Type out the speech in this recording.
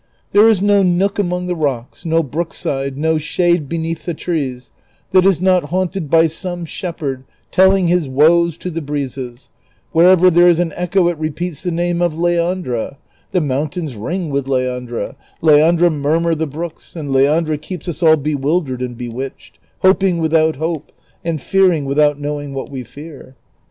Tliere is no nook among the rocks, no bi'ookside, no shade beneath the trees that is not haunted by some shepherd telling his woes to the breezes ; wherever there is an echo it repeats the name of Leandra; the mountains ring with " Leandra," " Leandra" mur mur the brooks, and Leandra keeps us all liewildered and bewitched, hoping without hope and fearing without knowing Avhat we fear.